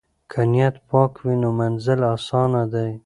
که نیت پاک وي نو منزل اسانه دی.